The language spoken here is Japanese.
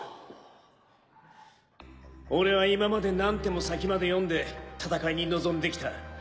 俺は今まで何手も先まで読んで戦いに臨んできた。